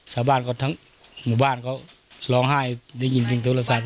สาบานทั้งหมู่บ้านเขาร้องไห้ได้ยินจริงโทรศัพท์เลย